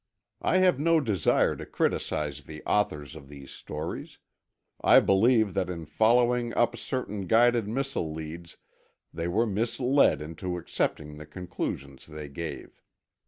I have no desire to criticize the authors of these stories; I believe that in following up certain guided missile leads they were misled into accepting the conclusions they gave.